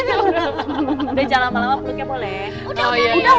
udah jangan lama lama beluknya boleh